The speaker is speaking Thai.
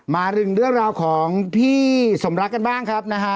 มาถึงเรื่องราวของพี่สมรักกันบ้างครับนะฮะ